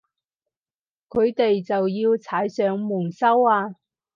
佢哋就要踩上門收啊